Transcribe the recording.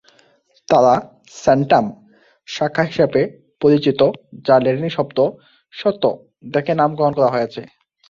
তারা "সেন্টাম" শাখা হিসাবে পরিচিত, যা ল্যাটিন শব্দ "শত" থেকে নামকরণ করা হয়েছে।